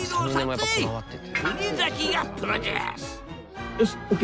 国崎がプロデュース！